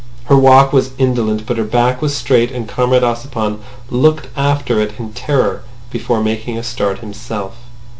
Her walk was indolent, but her back was straight, and Comrade Ossipon looked after it in terror before making a start himself.